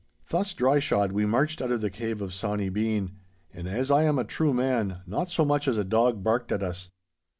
Thus dryshod we marched out of the cave of Sawny Bean, and, as I am a true man, not so much as a dog barked at us.